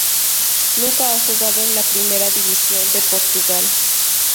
Nunca ha jugado en la Primera División de Portugal.